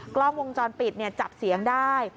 กล้องวงจรปิดจับเสียงได้